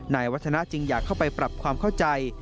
นายวัฒนาจึงอยากเข้าไปปรับความเข้าใจ